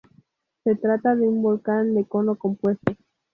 Se trata de un volcán de cono compuesto.